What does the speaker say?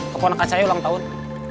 kepon akan saya ulang tahun